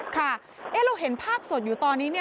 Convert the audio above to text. ค่ะเราเห็นภาพสดอยู่ตอนนี้